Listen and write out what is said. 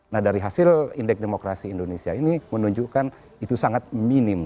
nah dari hasil indeks demokrasi indonesia ini menunjukkan itu sangat minim